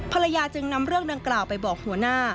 ภรรยาจึงนำเรื่องดังกล่าวไปบอกหัวหน้า